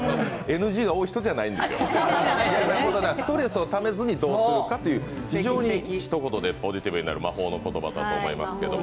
ＮＧが多い人じゃないんですよ、ストレスをためずにどうするかということで非常にひと言でポジティブになる魔法の言葉だと思います。